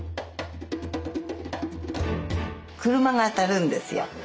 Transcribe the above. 車が当たるんですよ。